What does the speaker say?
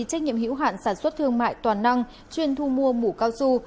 trách nhiệm hữu hạn sản xuất thương mại toàn năng chuyên thu mua mũ cao su